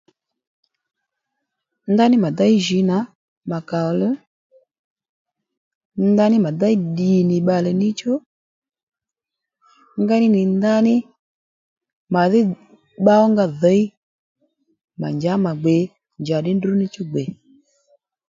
Ndaní mà déy jǐ nà mà kàòluw ndaní mà déy ddì nì bbalè ní chú ngéy ní nì ndaní màdhí bba ónga dhǐ mà njǎ mà gbè njàddí ndrǔ níchú gbè